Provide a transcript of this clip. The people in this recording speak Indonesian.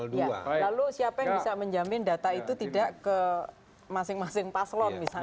lalu siapa yang bisa menjamin data itu tidak ke masing masing paslon misalnya